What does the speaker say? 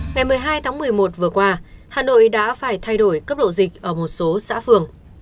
ngày một mươi hai tháng một mươi một vừa qua hà nội đã phải thay đổi cấp độ dịch ở một số xã phường